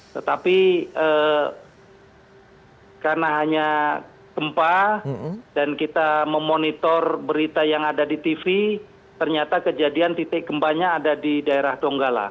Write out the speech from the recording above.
tetapi karena hanya gempa dan kita memonitor berita yang ada di tv ternyata kejadian titik gempanya ada di daerah donggala